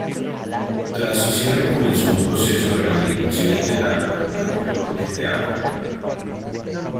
Tras su cierre comenzó un proceso de rehabilitación integral para convertirlo en teatro.